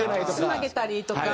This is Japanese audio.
つなげたりとか。